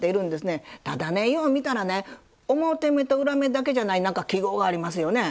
ただねよう見たらね表目と裏目だけじゃない記号がありますよね？